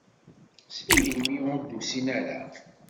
Seg melmi ur d-usin ara?